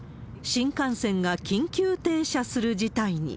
新幹線が緊急停車する事態に。